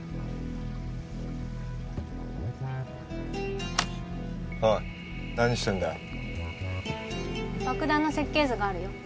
おい何してんだ爆弾の設計図があるよ